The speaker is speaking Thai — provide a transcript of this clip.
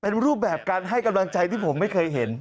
เป็นรูปแบบการให้กำลังใจที่ผมไม่เคยเห็น